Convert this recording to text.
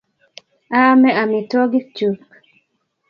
Aame amitwogikchuk